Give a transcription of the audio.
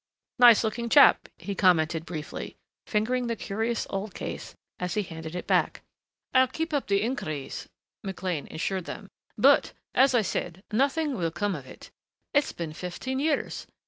"Nice looking chap," he commented briefly, fingering the curious old case as he handed it back. "I'll keep up the inquiries," McLean assured them, "but, as I said, nothing will come of it.... It's been fifteen years.